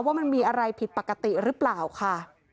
ว่ามันมีอะไรผิดปกติหรือเปล่าค่ะ